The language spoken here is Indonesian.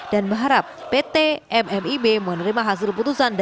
dan berharap pt mmib menerima hasil putusan